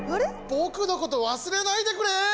僕のこと忘れないでくれ！